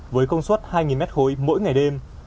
với công suất hai m hối mỗi ngày đêm